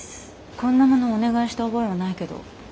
こんなものお願いした覚えはないけど。